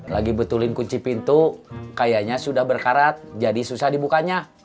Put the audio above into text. lagi betulin kunci pintu kayaknya sudah berkarat jadi susah dibukanya